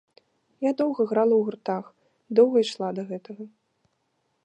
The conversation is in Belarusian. Я доўга грала ў гуртах, доўга ішла да гэтага.